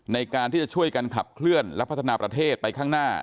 ในการที่จะช่วยกันขับเคลื่อนและพัฒนาประเทศไปข้างหน้า